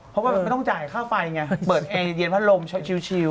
เพราะว่าไม่ต้องจ่ายค่าไฟไงเปิดเพลงเย็นพัดลมชิล